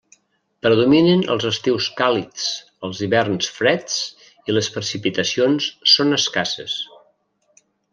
Predominen els estius càlids, els hiverns freds i les precipitacions són escasses.